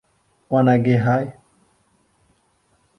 Wanna get high?